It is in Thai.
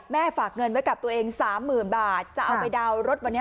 ฝากเงินไว้กับตัวเองสามหมื่นบาทจะเอาไปดาวน์รถวันนี้